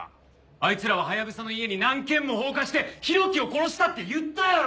あいつらはハヤブサの家に何軒も放火して浩喜を殺したって言ったやろ！